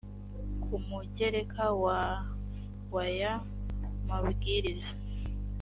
ku mugereka wa w aya mabwiriza